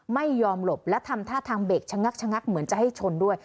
ไม่ยอมหลบและทำท่าทางเบรกชะงักชะงักเหมือนจะให้ชนด้วย